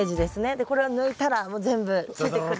でこれを抜いたらもう全部ついてくる。